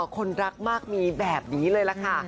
คนรักมากมีแบบนี้เลยล่ะค่ะ